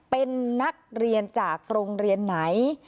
เป็นนักเรียนจากโรงเรียนไหน